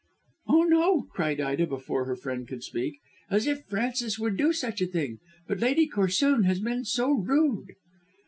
"Oh, no," cried Ida before her friend could speak. "As if Frances would do such a thing! But Lady Corsoon has been so rude."